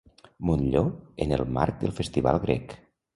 Montllor en el marc del Festival Grec.